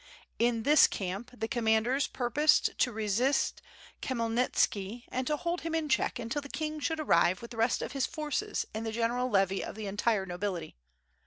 In this camp the commanders purposed to resist Khmyelnitski and to hold him in check until the king should arrive with the rest of his forces and the general levy of the entire nobility.